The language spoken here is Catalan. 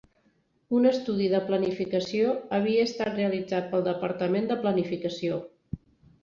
Un estudi de planificació havia estat realitzat pel departament de planificació.